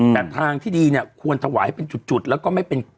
แต่ทางที่ดีเนี่ยควรถวายให้เป็นจุดแล้วก็ไม่เป็น